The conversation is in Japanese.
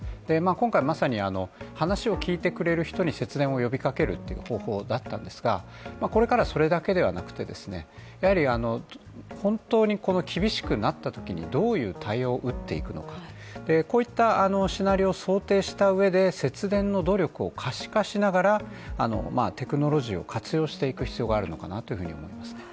今回まさに、話を聞いてくれる人に節電を呼びかける方法だったんですが、これからはそれだけではなくて、やはり本当に厳しくなったときにどういう対応を打っていくのか、こういったシナリオを想定したうえで節電の努力を可視化しながらテクノロジーを活用していく必要があるのかなと思いますね。